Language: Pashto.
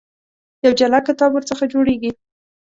یو جلا کتاب ورڅخه جوړېږي.